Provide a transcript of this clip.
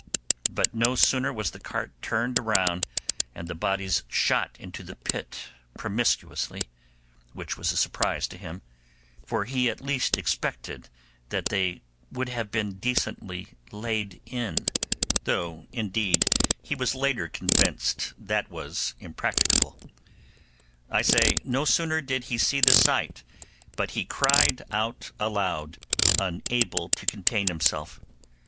But no sooner was the cart turned round and the bodies shot into the pit promiscuously, which was a surprise to him, for he at least expected they would have been decently laid in, though indeed he was afterwards convinced that was impracticable; I say, no sooner did he see the sight but he cried out aloud, unable to contain himself.